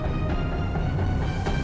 sampai bacot lu kemana mana